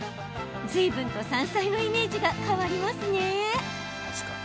ずいぶんと山菜のイメージが変わりますね。